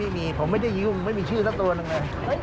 ไม่มีผมไม่ได้ยืมไม่มีชื่อสักตัวหนึ่งเลย